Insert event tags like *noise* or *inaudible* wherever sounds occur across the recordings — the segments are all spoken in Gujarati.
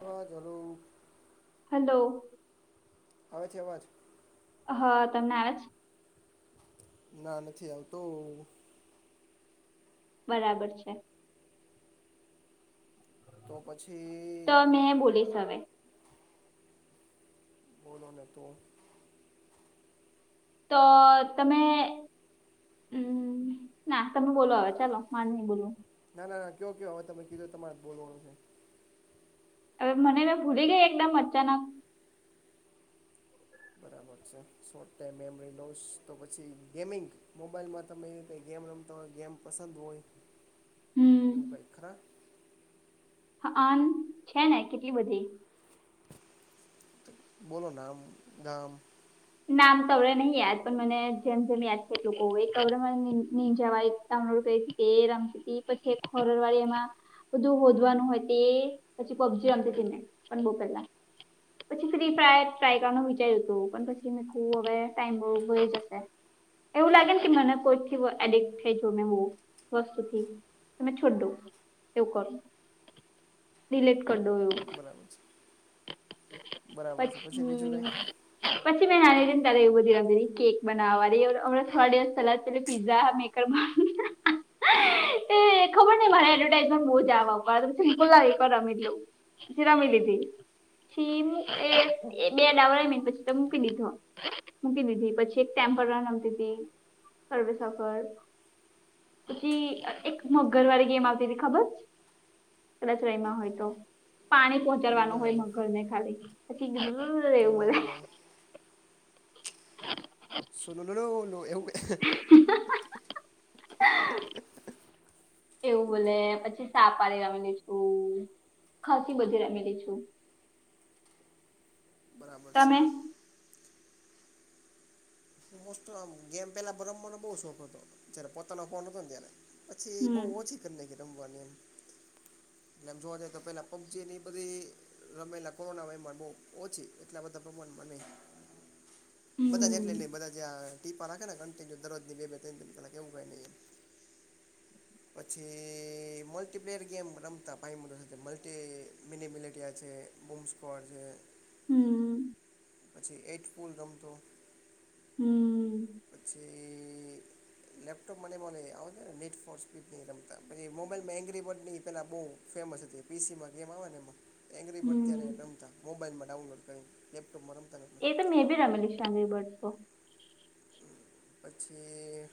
અવા જરુ. હલો‌. આવે છે અવાજ. હા તમને આવે છે. ના નથી આવતો. બરાબર છે. તો પછી. તો મેં બોલીશ હવે. બોલો ને તો. તો તમે. હમ ના તમે બોલો હવે ચાલો માર નહી બોલું. ના ના ના કયો કયો હવે તમે કીધો તમારે જ બોલવાનો છે. હવે મને મેં ભૂલી ગઈ એકદમ અચાનક બરાબર છે શોર્ટ ટાઈમ મેમરી લોસ તો પછી ગેમિંગ મોબાઈલમાં તમે એવું કે ગેમ. ત ગેમ પસંદ હોય હમ એમ કંઈક ખરા હહાન છે ને કેટલી બધી. બોલો નામ ગામ. નામ તો અડે નહીં યાદ પણ મને જેમ જેમ યાદ છે એટલુ ક‌ઉ જવા એક ડાઉનલોડ કરી હતી. હે રામ થી પછી ખોરડવાડી એમાં બધું હોદવાનું હોય તે પછી પબજી આમતી તેને પણ બહુ પેલા. પછી ફ્રી ફ્રાયર ટ્રાય કરવાનું વિચાર્યું તુ પણ પછી. તમ ખુબ ટાઈમ બ હોય જશે એવું લાગે ને કે મને કોઈથી એડિક્ટ થઈ જો મે વસ્તુથી. તમે છોટુ એવું કરો. ડીલેટ કરી દઉં. બરાબર છે બરાબર છે પછી બીજું કાએ. પછી મે નાનીને તલા એવું બધી રમી કેક બનાવવાની હમણાં થોડા દિવસ પેલા પીઝા મે એ પાળી એ ખબર ન‌ઇ મારે એડવર્ટાઈઝમેન્ટ બહુજ આવ. વા સિમ્પલ લઈ પણ રમી શું પછી રમી લીધી. સીમ એ બે ડાવ મિન પછી મૂકી દીધો મૂકી દીધી પછી એક ટેમરન રમતી હતી સર્વે સફર. પછી એક મગર વાળી ગેમ આવતી હતી ખબર. રચવાઈમાં હોય તો. પાણી પહોંચાડવાનું હોય નહીં મગર ને ખાલી પછીર રહેવું બે. નહીં નહીં સો નોનું નલો *inaudible* ન એવવે એવું બોલે પછી સાપારી રમેલી છું ખાસી બધી રમેલી છું. બરાબર છે. તમે મસ્ત આમ ગેમ પહેલા બ્રમવાનો બહુ શોખ હતો જ્યારે પોતાનો ફોન હતો ને ત્યારે પછી બહુ હમ ઓછી કરી નાખી રમવાની એમ. એટલે જોવા જઈ કે પેલા પબ્જી એ બધી રમેલા કોરોના વયમા બહું ઓછી એટલા બધા પ્રમાણમાં નહી. બધા જ એટલે હમ નઈ બધા જ ટીપા નાખે ત્રણ દરરોજની બે બે ત્રણ કલાક પછી મલ્ટીપ્લેયર ગેમ રમતા ભાઈ સાથે મલ્ટી મિની મિલેટીયા છે. બુંબ્સ કોડ છે. હમ્મ. પછી એટ પુલ ગમતું. હમ્મ. પછી લેપટોપ મને મને આવ ને નેટ ફોર સ્પીડ ની રમતા પછી મોબાઈલ માં એગ્રીબર્ડ ને પેલા બઉ ફેમસ હતું તે પીસી માં કેમ આવે ને એમાં એંગરીબર ત્યારે હમ રમતા મોબાઈલમાં ડાઉનલોડ કરીને લેપટોપમાં રમતા નથી એ તો મે બી રમેંલી સામી બડ સો પછી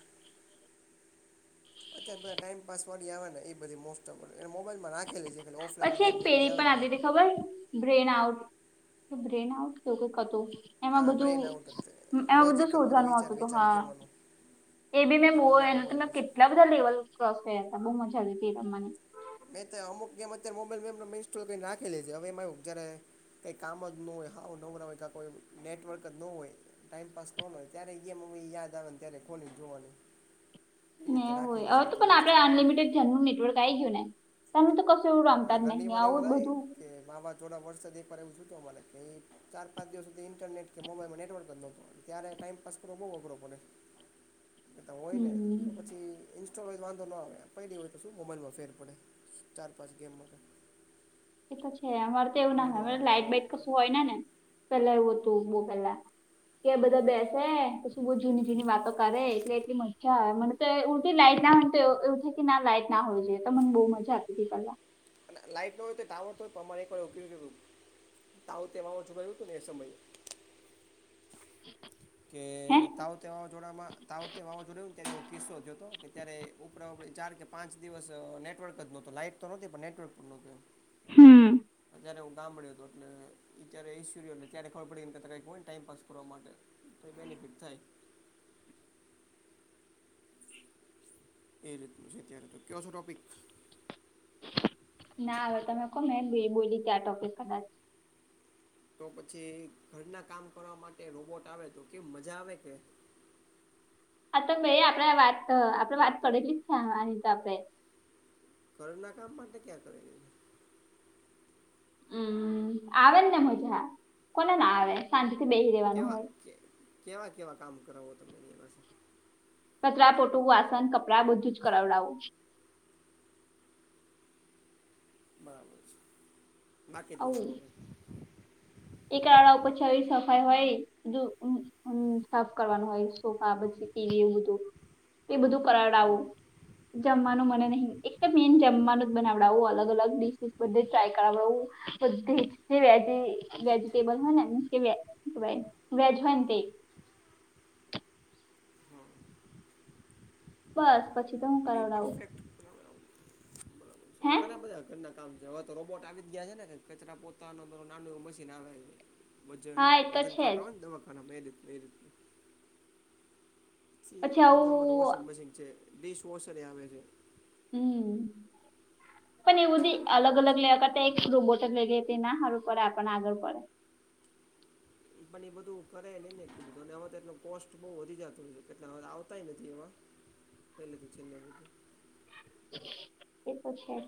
અત્યારે બધા ટાઈમ પાસ વાળી આવે ને એ બધી મોબાઈલ ના ખેલી છે ઓફલાઈન પછી એક ગેમની પેલી બધી પણ આવે પહિ આવતી હતી ખબર બ્રેન આઉટ એવું કંઈક હતું. એમાં આ બધું બ્રેન આઉટ એમાં બધું લોજિકલ શોધવાનું વિચાર આવતું હતું વિચારને હા. કહેવાનું એ બી પણ મારા મેં મોબાઈલમાં છે કેટલા બધા લેવલ ક્રોસ કર્યા હતા બહુ મજા હતી ને? મેં તો અમુક ગેમ અત્યારે મોબાઈલ મે ઇન્સ્ટોલ કરીને નાખી લિ છે હવે જયારે કંઈક કામ જ ન હોય હાવ નવરા હોય કોઈ નેટવર્ક જ ન હોય. ટાઈમપાસ હોય ત્યારે જે મને યાદ આવે ને ત્યારે ખોલીને જોવાની. એ રીતે હા હોય રાખેલી છે હવે તો અત્યારે પણ આપણે ઇન્સ્ટોલ કરીને અનલિમિટેડ જનનુ નેટવર્ક આવી ગયું ને? તને તો કસું એવું ઘણા રમતા જ ઘરની નહી મારે એવું આવું થાય બધું કે માવા થોડા વર્ષ નહીં પણ એવું શું તો મને કઈ ચાર-પાંચ દિવસ સુધી ઇન્ટરને કે મોબાઈલમાં નેટવર્ક પ્રોબ્લેમ હતો ત્યારે ટાઈમપાસ કરો બહુ અઘરો પડે. *inaudible* એતો હોય ને તો હમ પછી ઇન્સ્ટોલ હોય તો વાંધો ન આવે પેલી હોય તો શું મોબાઈલમાં ફેર પડે. પછી ગેમમાં એ તો છે અમારે તો એવું લૂડો ના હોય રમતા લાઈટ-બાઈટ કશું હોય ને ના પેલા એવું હતું પેલા કે બધા બેસે પછી બહુ જૂની-જૂની વાતો કરે એટલે એટલી મજા આવે મને. ઉલટી લાઈટ નાતો આવે કે ના લાઈટ ના હોય જોઈએ તો મને બહુ મજા આપતી હતી પેલા. અને લાઈટ ન હોય તો ટાવર હોય પ્રમાણે એક ઉપયોગી એવું આવું તેમાં ઓછું ગયું હતું ને એ સમયે *inaudible* કે હે તાવતે વાવાઝોડામાં તાવતે વાવાઝોડ તેનો કિસ્સો થયો હતો. તયારે ઉપરા-ઉપર ચાર કે પાંચ દિવસ નેટવર્ક જ ન હોત તો લાઈટ તો નહોતી, પણ નેટવર્ક પર નહોતું. હમ્મ. જયારે હું ગામડે હતો એટલે જ્યારે ઐશ્વર્ય એટલે ત્યારે ખબર પડી, કેતા કંઈક હોય ને ટાઈમપાસ કરવા માટે બેનિફિટ થાય એ રીતનું છે અત્યારે તો કયો છો ટોપિક ના હવે તમે કો મે બી બોલી ગયા ટોપિક કદાચ. તો પછી ઘરના કામ કરવા માટે રોબોટ આવે તો કેવી મજા આવે કે? હા, તો ભાઈ આપડે વાત આપડે વાત કરેલી જ છે એની તો આપડે. ઘરના કામ માટે તો ક્યાં. *unintelligible* હમ્મ, આવે ને મજા, કોને ના આવે? શાંતિથી બેહી રહેવુ કેવા કે કેવા-કેવા કામ કરાવો તમે એ પાસે? કચરા પોટું, વાસન, કપડાં બધું જ કરાવડાવું. બરાબર છે, બાકી એકાળા ઉપર ચઢી સફાઈ હોય બધું સાફ કરવાનું હોય સોફા પછી ટીવી એવું બધું એ બધું હમ કરડાવું. જમવાનું મને નહી એકદમ મેન જમવાનું જ બનાવડાવું અલગ-અલગ ડિ બધ ટ્રાય કરું બધ જે વ્યા છે. વેજિટેબલ હોય ને મ કે ભ વેજ હોય ને તે હમ બસ પછી તો પેપર કરાવડાવું સેટ *unintelligible* હે ઘણા બધા ઘર હવે તો રોબોટ આવી જ ગયા છે, ને કચરા પોતાનું નાનું મશીન આવે છે. વજન હા એ તો વજન છે જ કાટો હોવા દવાખાના એ રીતે *unintelligible* પછી કપડાં ધોવામાં આવું વોશિંગ મશીન છે, ડિશ વોશર એ આવે છે. હમ્મ. પણ એવું અલગ-અલગ પછી લેવા કરતા એક રોબોટ લે એના સારું પડે આપણ આગળ પડે. પણ એ બધું કરે નઈ કે કીધું અને હવે તો, એટલો કોસ્ટ બહુ વધી જતો એટલે હવે આવતાય નથી એમાં. પેલેથી છેલ્લે સુધી. *unintelligible* તમે શું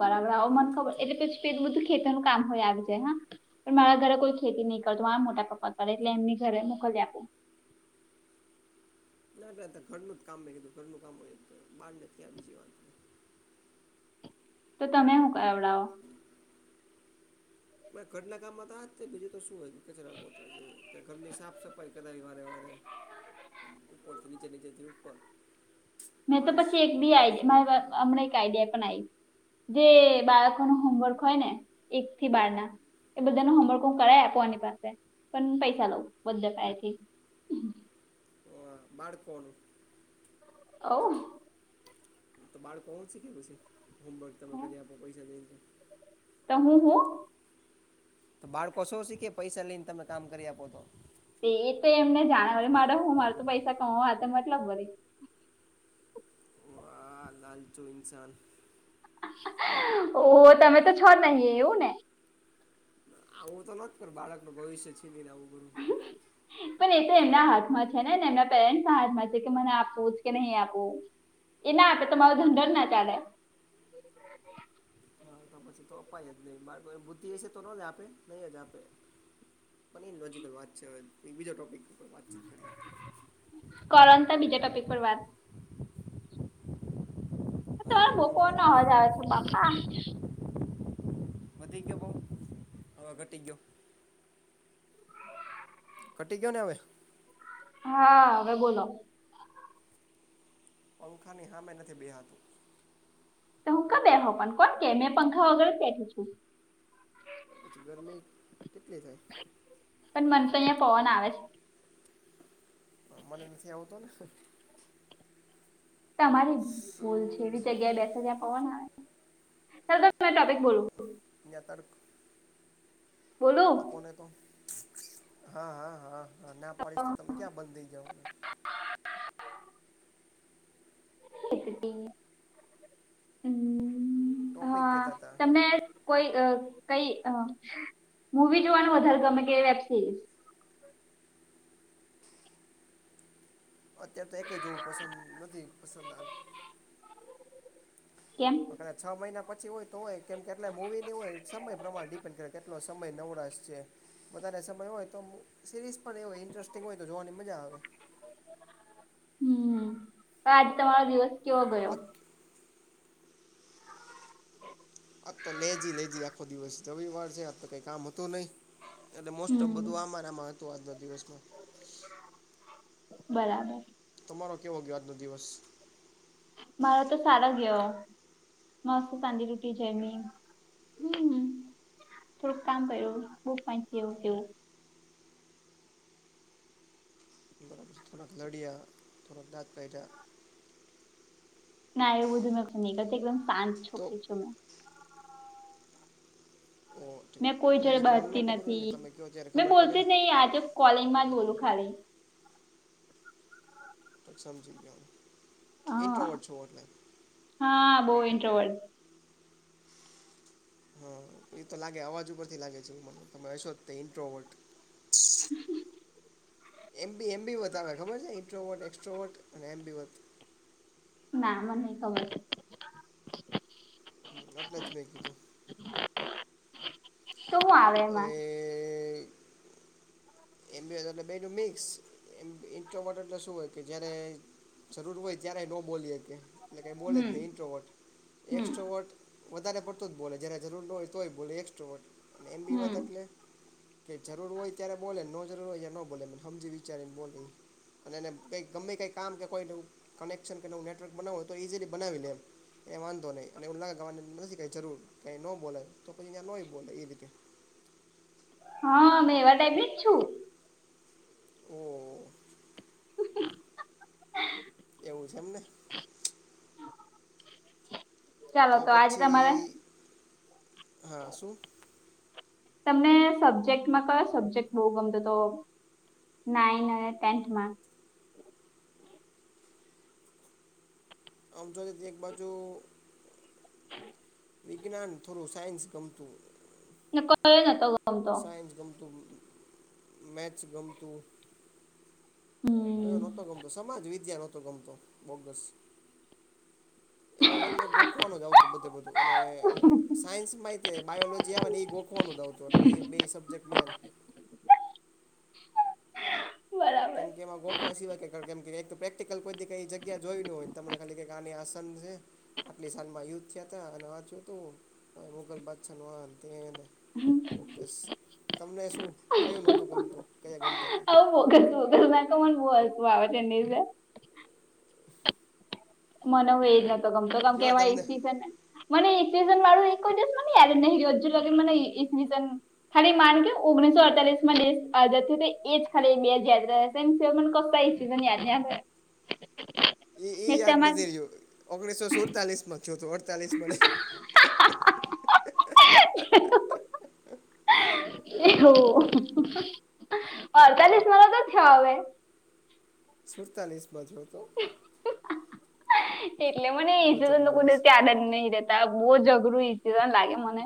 કરાવડાવે એ મને રીતનું ખબર છે એટલે અત્યારે પછી બધું ખેતરનું કામ હોય આવી જાય, હા. પણ મારા ઘરે કોઈ ખેતી નહી કરતું આમ મોટા પાયે એટલે એમની ઘરે મોકલી આપું. ના, ના ઘરનું જ કામ મેં કીધું, ઘરનું કામ હોય બહાર નથી આ બીજી વાત. તો તમે શું કેવડાવઓ. ઘરના કામમાં તો આજ છે બીજું તો શુંચ છે કે ઘરની સાફ સફાઈ કદાાય વારે વારે. ઉપોર થી નીચે નીજથી ઉપર. મેં તો બસ પછી એક બી આ ઇનફ હમણાં એક આઈડિયા પણ આવ્યો. જે બાળકો ન હોમવર્ક હોય ને એક થી બાર ના એ બધા ન હોમવર્ક હું કરાય આપું આની પાસે પણ પૈસા લઉ બધા પાએ થી. માકોણ હવ. તો બાળકો પહોંચી કે પછી હોમવર્ક તમે કરી આપો પૈસા દઈને તમુ હું તો બાળકો શો શીખે પૈસા લઈને તમે કામ કરી આપો તો એ તો એમને જાણે મારે હું મારે તો પૈસા કણ મતલબ મરી ઓ આ લાલચુ ઈન્સાન. ઓ તમે તો છો નહી એવું ને આવું તો ન પણ બાળકનું ભવિષ્ય છે આવું કરો. પણ એ તો એમના હાથમાં છે નેને એમના પેરેન્ટ્સ ના હાથમાં છે કે મને આપવું જ કે નહી આપવું. એ ના આપે તમારો ધનંધન ના ચાલે. હા તો પછી તો અપાય જ નહી મા બુદ્ધિ હશે તો ન જ આપે નહી જ આપે લોકલ વાત છે બીજા ટોપિક વાત કરણતા બીજા ટપિક પર વાત તમાર બપ ન અવાજ આવે છે અમ, બાપા વધી ગયાયો બહ હ ઘટી ગયો ખટી કયો ને હવે. હાવે બોલો. પંખા ની હામે નથી બેહાતું. તો હું ક બે હો પણ કોણ કે મેં પંખા વગેરે બેઠું છું. પછી ગરમી કેટલી થાય. પણ મનસ અહિયાં પવન આવે છે મને નથી આવતો ને તમારી ભૂલ છે શું એવી જગ્યાએ બેસી જ્યા પવાના આવે ત ટોપિક બોલવું નેતાર બોલો આપોને તો હા હા હા હા ના પાડીશ તો તમે ક્યાં બંધ થઈ જવાનું *unintelligible* હમ ટોપિક હા કહેતા હતા તને કોઈ કઈ મવી જોવાનું વધારે ગમે કે વેબ સિરીઝ અત્યારે તો એકય જોવું પસંદ નથી પસંદ આ કેમ છ મહિના પછી હોય તો હોય કેમ કેટલા મૂવી ની હોય સમય પ્રમાણે ડિપેન્ડ કરે કેટલો સમય નવળ છે વધારે સમય હોય તો સિરીઝ પણ એ હોય ઇન્ટરેસ્ટિંગ હોય તો જોવાની મજા આવે હમ આજે તમારો દિવસ કેવો ગયો બાકી હ અ તો લેજી લેજજી આ આખો દિવસ રવિ વાર છે આપ તો કઈ કામ હતું નહીિ એટલે મોસ્ટ ઓફ હમ બધું આમારામાં હત તો આજના દિવસમાં બરાબર તમારો કેવો ગયો આજનો દિવસ મારા તો સારા ગેવા મસ્ ચાંદદી રોટી છેમ હ થોડુંક કામ પ્યું બહ પા એવું એવું બરાબર થોડાક લડી આ થોડાક દંત પહેજ ના એવું બધું મેંું નહીં કર એકદમ શાંત તો છોકરી છું મેં ઓ મેં કોઈ ના એ જડે તો મને ન બસતી ખબર હોય ને નથી તમે કહો ત્યારે મેં ખબર પડે બોલતી ને જ નહી આજે કોલેજ માં જ બરાબર બોલું ખાલી સમજીી ગયા હું હા ઇન્ટ્રાવટ છુંટલાન હા બહ ઇન્ટ્ર હા એ તો લાગે અવાજ ઉપરથી લાગે છે એ તમે હશો જ ઇન્ટ્રોવર્ટ *unintelligible* એમ બી એમ બી વધવે ખબર છે ઇન્ટ્રોવર્ટ એક્સ્ટ્રોવર્ક અને એમ બી વધ ના મનેનેહી ખબર છે હ એટલે જ મેંી તું શું આવે એમાં હવે એમ બી એટલે બેજ મિક્સ એમ ઇન્ટ્રો વટર તો શું હોય કે જયારે જરૂર હોય ત્યારેય ન બોલીકે એ કઈ બોલે જ હમ નહી ઇન્ટ્રોવટ હમ એસ્ટ્રોવટ વધારે પડતો જ બોલે જ્યારે જરૂર ન હોય તોય બોલે એસ્ટ્રો વટ અને એમ બી હમ વાત એટલે કે જરૂર હોય ત્યારે બોલેને નો જરૂર હોય નો બોલે સમજી વિચારી ને બોલે અને એને કંઈ ગમે કંઈ કામ કે કોઈ નવ કનેક્શન કે નવું નેટવર્ક બનાવ હોય તો ઇઝીલી બનાવી લેમ ક વાંધો નહીં અનેને ઉલ્લા ગવાની નથી કઈ જરૂર કાંઈ ન બોલેય તો પછી ત્યાં ન બોલે એ રીતે હા મે એવાર ડબજ છું હ *unintelligible* એવું છે એમને ચાલો તો આજે તમારે હા શું તમને સબ્જેક્ટમાં કયો સબ્જેક્ટ બહુ ગમતો હતો નાઇન અને ટેથમાંહ આમ જોઈએ એક બાજું *inaudible* વિજ્ઞાન થોડું સાયન્સ ગમતું. *unintelligible* સાયન્સ ગમતું મેક્સ ગમતું. હમ. કયો નોતો ગમતો સમાજ વિદ્યાયા નહોતો ગમતો બોગસ. એમા એકને એક ગોખવાનું જ આવતું બધું બધું અને સાયન્સ માય બાયોલોજી આવે ને એ ગોખવાનું જતું એટલે એ બે સબ્જેક્ટ મેન. *unintelligible* કેમ કે એમાં ગોખવા સિવાય કે કેમકે કોઈદી કઈ જગ્યા જોઈ ન હોય તને કઈ આની આસન છે. આટલી સાલ માં યુદ્ધ થયા હતા અને વાચું હતું મુઘલ બાદશાહ નું આ ને તે બોગસ તમને શું કયું નહોતું ગમતું કયા ગમતા હતા? આવું બોગસ, બોગસમાં તો મને બહું હસું આવે છે *unintelligible* મન એજ નતો ગમતો કેમકે કયો એમાં તમને એસી છે ને? મને *unintelligible* વાળું મને કોઈ દિવસ યાદ જ નહીં રયો *unintelligible* ખાલી માન કે ઓગણીસો અડતાલીસ માં દેશ આઝાદ થયો હતો ખાલી બે યાદ રહ્યા. *unintelligible* એ એ ને યાદ તમાર નથી રહ્યો ઓગણીસો સુડતાલીસ માં થયો તો અડતાલીસ માં નહીં. *unintelligible* એવું અડતાલીસ માં નોતો થયો હવે. સુડતાલીસ થયો હતો. એટલે મને એ ગજબ સિઝન તો માણસ કોઈ ત્યાદ જ નહી રેતા બહુ અઘરું સિઝન લાગે મને.